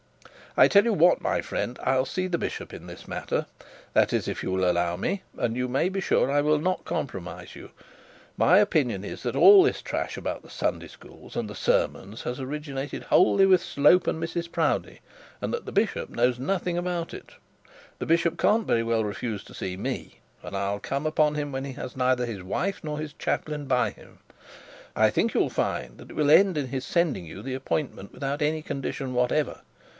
I tell you what, my friend; I'll see the bishop in this matter, that is, if you will allow me; and you may be sure I will not compromise you. My opinion is, that all this trash about Sunday schools and the sermons has originated wholly with Slope and Mrs Proudie, and that the bishop knows nothing about it. The bishop can't very well refuse to see me, and I'll come upon him when he has neither his wife nor his chaplain by him. I think you'll find that it will end in his sending you the appointment without any condition whatever.